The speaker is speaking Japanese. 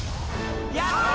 やった！